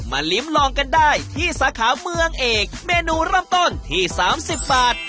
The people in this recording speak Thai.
ลิ้มลองกันได้ที่สาขาเมืองเอกเมนูเริ่มต้นที่๓๐บาท